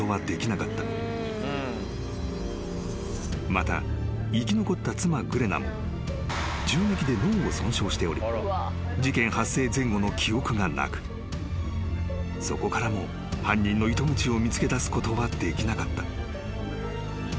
［また生き残った妻グレナも銃撃で脳を損傷しており事件発生前後の記憶がなくそこからも犯人の糸口を見つけだすことはできなかった］